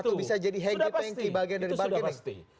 atau bisa jadi hanggit hanggit bagian dari bargaining